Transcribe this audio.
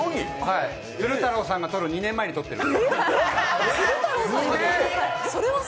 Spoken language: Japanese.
鶴太郎さんがとる２年前にとっている。